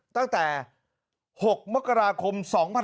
ตั้งแต่๖มกราคม